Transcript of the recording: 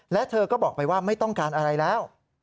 และเธอก็บอกไปว่าไม่ต้องการอะไรแล้ว